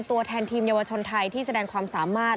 ตัวแทนทีมเยาวชนไทยที่แสดงความสามารถ